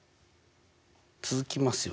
続きますよね？